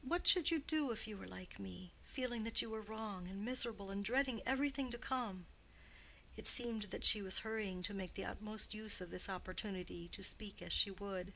"What should you do if you were like me—feeling that you were wrong and miserable, and dreading everything to come?" It seemed that she was hurrying to make the utmost use of this opportunity to speak as she would.